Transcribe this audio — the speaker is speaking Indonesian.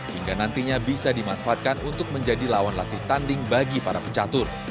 hingga nantinya bisa dimanfaatkan untuk menjadi lawan latih tanding bagi para pecatur